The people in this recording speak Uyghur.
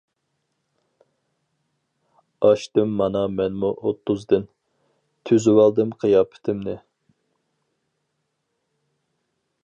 ئاشتىم مانا مەنمۇ ئوتتۇزدىن، تۈزىۋالدىم قىياپىتىمنى.